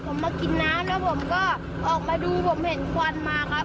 ผมมากินน้ำแล้วผมก็ออกมาดูผมเห็นควันมาครับ